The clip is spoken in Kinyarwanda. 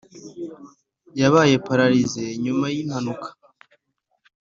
yabaye pararize nyuma yi impanuka